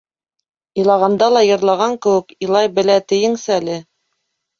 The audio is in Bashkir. Илағанда ла йырлаған кеүек илай белә тиеңсәле.